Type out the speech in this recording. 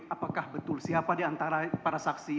apakah betul siapa diantara para saksi